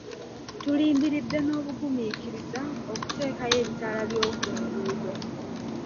Tulindiridde n'obugumiikiriza okuteekayo ebitala by'oku nguudo.